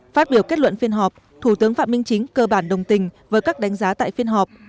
phát biểu kết luận phiên họp thủ tướng phạm minh chính cơ bản đồng tình với các đánh giá tại phiên họp